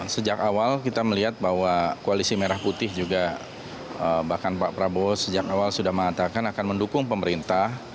sejak awal kita melihat bahwa koalisi merah putih juga bahkan pak prabowo sejak awal sudah mengatakan akan mendukung pemerintah